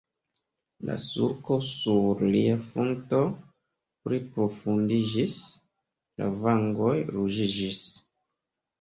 La sulko sur lia frunto pli profundiĝis, la vangoj ruĝiĝis.